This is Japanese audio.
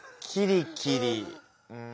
うん。